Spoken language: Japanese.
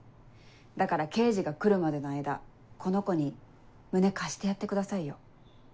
だから刑事が来るまでの間この子に胸貸してやってくださいよ。